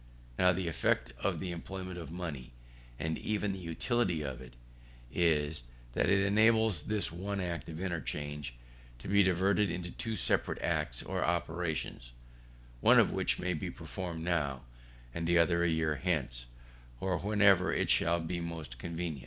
Now the effect of the employment of money, and even the utility of it, is, that it enables this one act of interchange to be divided into two separate acts or operations; one of which may be performed now, and the other a year hence, or whenever it shall be most convenient.